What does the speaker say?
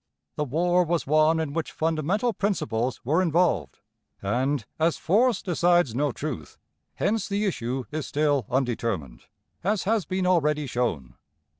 The war was one in which fundamental principles were involved; and, as force decides no truth, hence the issue is still undetermined, as has been already shown.